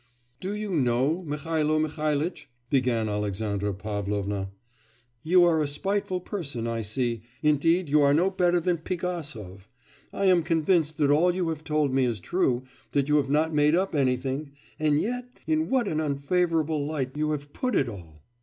'Do you know, Mihailo Mihailitch,' began Alexandra Pavlovna, 'you are a spiteful person, I see; indeed you are no better than Pigasov. I am convinced that all you have told me is true, that you have not made up anything, and yet in what an unfavourable light you have put it all!